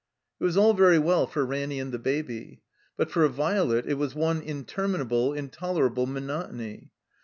It was all very well for Ranny and the Baby. But for Violet it was one interminable, intolerable monotony.